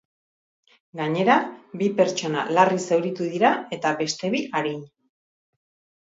Gainera, bi pertsona larri zauritu dira, eta beste bi arin.